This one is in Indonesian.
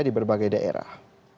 di berbagai daerah